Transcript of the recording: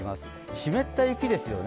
湿った雪ですよね。